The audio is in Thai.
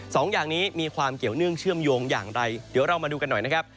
สองอย่างนี้มีความเกี่ยวเนื่องเชื่อมโยงอย่างไรเดี๋ยวเรามาดูกันหน่อยนะครับ